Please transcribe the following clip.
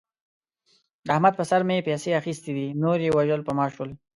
د احمد په سر مې پیسې اخستې دي. نور یې وژل په ما شول.